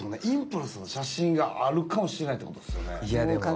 インパルスの写真があるかもしれないって事ですよね。